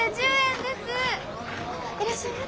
いらっしゃいませ。